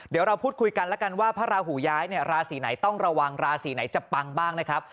เดี๋ยวเราพูดคุยกันแล้วกันว่าพระราหูย้ายเนี่ยราศีไหนต้องระวังราศีไหนจะปังบ้างนะครับ